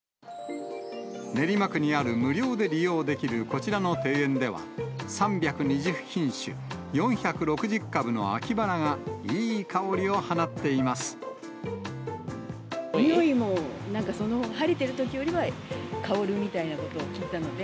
練馬区にある無料で利用できるこちらの庭園では、３２０品種４６０株の秋バラが、匂いもなんか、晴れてるときよりは香るみたいなことを聞いたので。